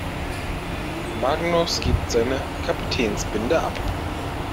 Magnus gibt seine Kapitänsbinde ab.